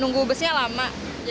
nunggu busnya lama